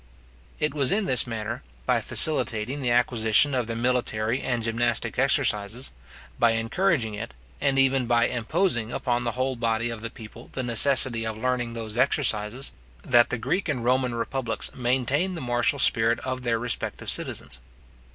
It was in this manner, by facilitating the acquisition of their military and gymnastic exercises, by encouraging it, and even by imposing upon the whole body of the people the necessity of learning those exercises, that the Greek and Roman republics maintained the martial spirit of their respective citizens.